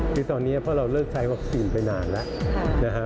คือตอนนี้เพราะเราเลิกใช้วัคซีนไปนานแล้วนะฮะ